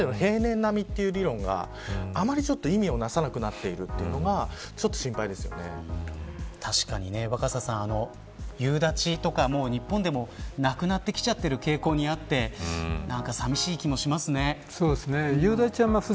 そのどちらかみたいな感じになっていて今までの平年並みという理論があまり意味をなさなくなっているというのが確かに、若狭さん夕立とか日本でもなくなってきちゃっている傾向にあって寂しい気もしますね。